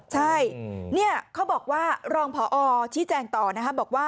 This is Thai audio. ใช่เงี่ยเขาบอกว่ารองผอชิแจงต่อบอกว่า